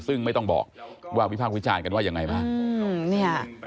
ซึ่งไม่ต้องบอกว่าวิพากษ์วิจารณ์กันว่ายังไงบ้าง